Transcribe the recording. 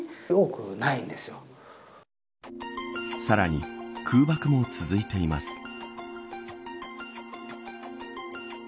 さらに空爆も続いています。